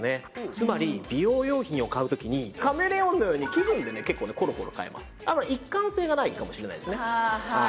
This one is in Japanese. つまり美容用品を買うときにカメレオンのように気分で結構コロコロ変えますあまり一貫性がないかもしれないですね